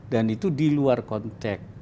dan itu diluar konteks